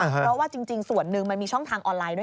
เพราะว่าจริงส่วนหนึ่งมันมีช่องทางออนไลน์ด้วย